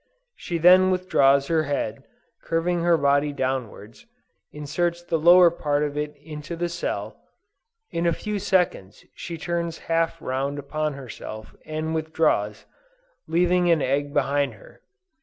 She then withdraws her head, and curving her body downwards, inserts the lower part of it into the cell: in a few seconds she turns half round upon herself and withdraws, leaving an egg behind her.